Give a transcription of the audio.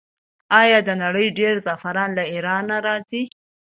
آیا د نړۍ ډیری زعفران له ایران نه راځي؟